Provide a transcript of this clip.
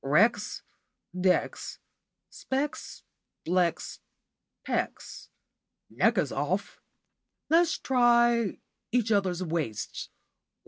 Wrecks, decks, specks, flecks, pecks. Necks is 'off.' Let's try 'each other's waists.